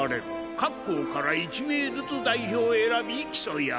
各校から１名ずつ代表を選び競い合う。